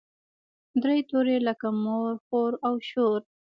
درې توري لکه مور، خور او شور.